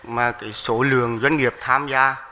mà số lượng doanh nghiệp tham gia